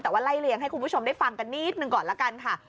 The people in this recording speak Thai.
แต่ว่าไล่เลี้ยงให้คุณผู้ชมได้ฟังกันนิดหนึ่งก่อนละกันค่ะ